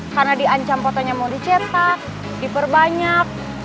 karena diancam fotonya mau dicetak diperbanyak